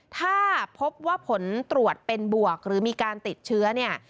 ถ้าพบว่าผลตรวจเป็นบวกหรือมีการติดเชื้อเนี่ย